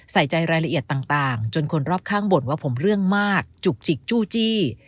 ใส่ใจรายละเอียดต่างจนคนรอบข้างบ่นว่าผมเรื่องมากจุกจิกจู้จี้